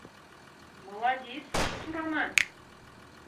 Маладис, Сураман!